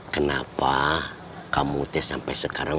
kenapa kamu tes sampai sekarang